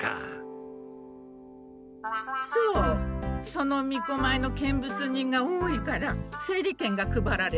そのみこまいの見物人が多いから整理券が配られてて。